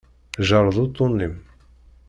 Jerred uṭṭun-im.